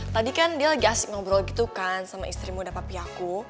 tadi kan dia lagi asik ngobrol gitu kan sama istri muda papi aku